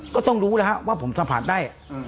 ก็ต้องรู้นะครับว่าผมสะพัดได้